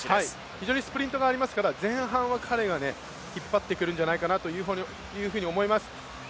非常にスプリントがありますから、前半は彼が引っ張ってくるんじゃないかなというふうに思います。